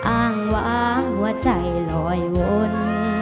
อ้างวางหัวใจลอยวน